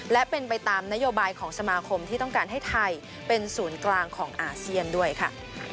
และเป็นไปตามนโยบายของสมาคมที่ต้องการให้ไทยเป็นศูนย์กลางของอาเซียนด้วยค่ะ